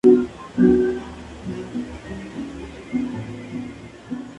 Estas actividades pueden tener formato de seminario, taller, presentación, proyección o coloquio.